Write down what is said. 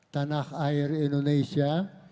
tanah air indonesia